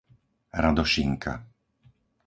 Radošinka